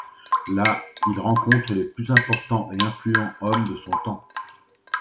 Là, il rencontre les plus importants et influents hommes de son temps.